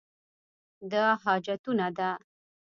دا حاجتونه ده.